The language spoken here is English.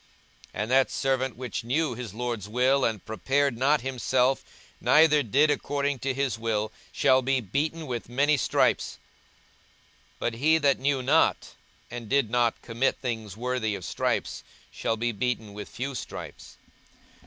42:012:047 And that servant, which knew his lord's will, and prepared not himself, neither did according to his will, shall be beaten with many stripes. 42:012:048 But he that knew not, and did commit things worthy of stripes, shall be beaten with few stripes.